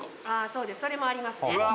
そうですそれもありますね